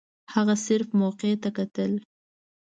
هغه صرف موقع ته کتل.